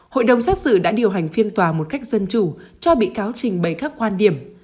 hội đồng xét xử đã điều hành phiên tòa một cách dân chủ cho bị cáo trình bày các quan điểm